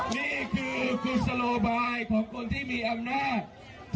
นี่คือกุศโลบายของคนที่มีอำนาจ